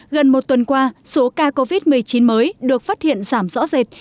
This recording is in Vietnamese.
gần một tuần qua số ca covid một mươi chín mới được phát hiện giảm rõ rệt